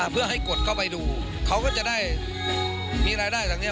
เพื่อให้กดเข้าไปดูเขาก็จะได้มีรายได้จากนี้